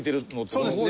そうですね。